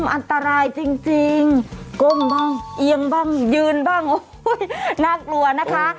อันตรายจริงก้มบ้างเอียงบ้างยืนบ้างโอ้ยน่ากลัวนะคะ